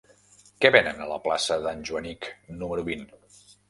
Què venen a la plaça d'en Joanic número vint?